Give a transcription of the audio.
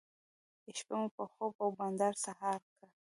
شپه مو په خوب او بانډار سهار کړه.